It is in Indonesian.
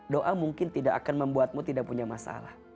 doa mungkin tidak akan membuatmu tidak punya masalah